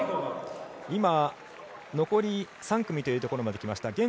今、残り３組というところまできました。